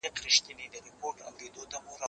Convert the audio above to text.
اوبه د زهشوم له خوا پاکې کيږي!.